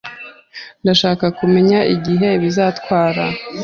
Ndashaka kumenya igihe bizatwara.